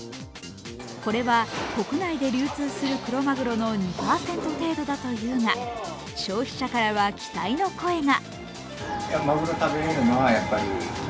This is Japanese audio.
これは、国内で流通するクロマグロの２％程度だというが消費者からは期待の声が。